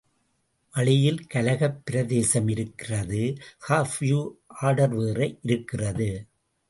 வழியில் கலகப் பிரதேசம் இருக்கிறது கர்ஃப்யு ஆர்டர்வேற இருக்கிறது.